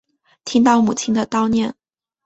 听到母亲的叨念